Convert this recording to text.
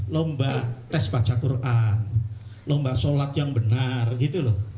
lomba tes baca quran lomba sholat yang benar gitu loh